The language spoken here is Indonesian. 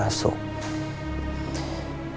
akhirnya nunggu di rumah